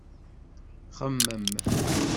Xemmem!